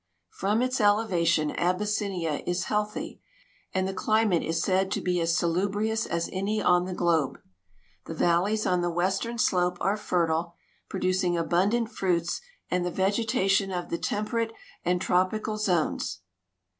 From its elevation Abyssinia is healthy, and the climate is said to be as salubrious as any on the globe. Th& valleys on the western slope are fertile, producing abundant fruits and the vege tation of the temperate and tropical zones.